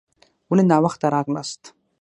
ولي ناوخته راغلاست؟